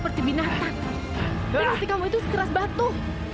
mesti kamu itu sekeras batu